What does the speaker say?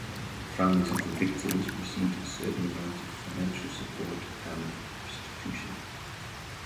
Families of the victims received certain amount of financial support and restitution.